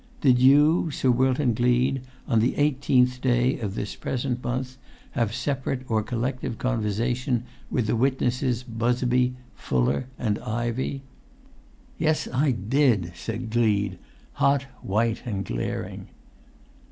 Did you, Sir Wilton[Pg 176] Gleed, on the eighteenth day of this present month, have separate or collective conversation with the witnesses Busby, Fuller, and Ivey?" "Yes, I did," said Gleed, hot, white, and glaring.